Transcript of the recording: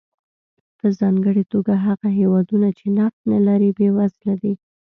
په ځانګړې توګه هغه هېوادونه چې نفت نه لري بېوزله دي.